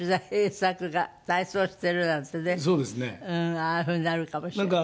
ああいう風になるかもしれない。